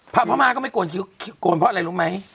พม่าก็ไม่โกนคิ้วโกนเพราะอะไรรู้ไหม